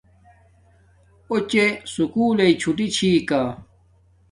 اوچے سکُول لݵ چھوٹی چھی کا